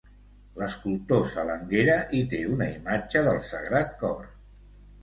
L'escultor Salanguera hi té una imatge del Sagrat Cor.